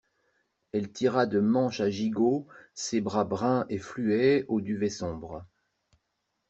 Elle tira de manches à gigot ses bras bruns et fluets au duvet sombre.